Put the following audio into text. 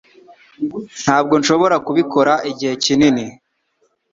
Ntabwo nshobora kubikora igihe kinini